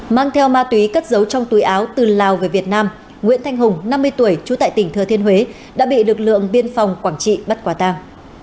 mang theo ma túy cất dấu trong túi áo từ lào về việt nam nguyễn thanh hùng năm mươi tuổi trú tại tỉnh thừa thiên huế đã bị lực lượng biên phòng quảng trị bắt quả tàng